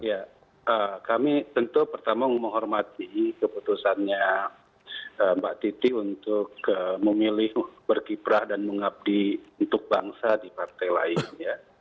ya kami tentu pertama menghormati keputusannya mbak titi untuk memilih berkiprah dan mengabdi untuk bangsa di partai lain ya